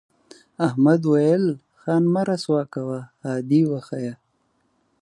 احمد وویل خان مه رسوا کوه عادي وښیه.